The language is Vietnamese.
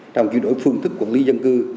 trong chuyển đổi phương thức quản lý dân cư